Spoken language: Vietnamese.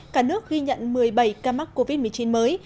cả nước ghi nhận một mươi bảy ca mắc covid một mươi chín mới